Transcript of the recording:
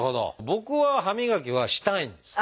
僕は歯磨きはしたいんです。